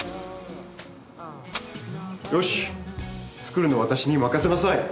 よし作るのは私に任せなさい。